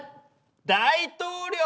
大統領⁉